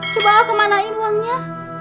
coba a kemanain uangnya